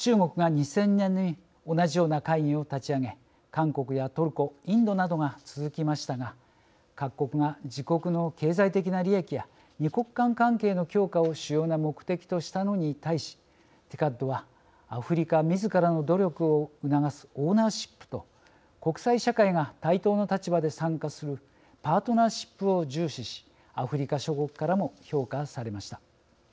韓国やトルコインドなどが続きましたが各国が自国の経済的な利益や二国間関係の強化を主要な目的としたのに対しＴＩＣＡＤはアフリカみずからの努力を促すオーナーシップと国際社会が対等の立場で参加するパートナーシップを重視しアフリカ諸国からも評価されました。